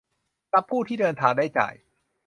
กับที่ผู้เดินทางได้จ่าย